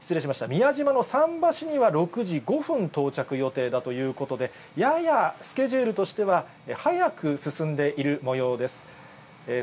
宮島の桟橋には、６時５分到着予定だということで、ややスケジュールとしては早く進んでいるもようです。